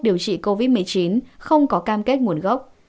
điều trị covid một mươi chín không có cam kết nguồn gốc